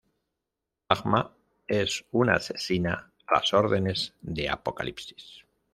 Magma es una asesina a las órdenes de Apocalipsis.